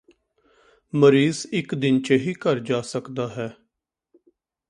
ਮਰੀਜ਼ ਇਕ ਦਿਨ ਚ ਹੀ ਘਰ ਜਾ ਸਕਦਾ ਹੈ